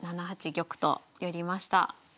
７八玉と寄りました。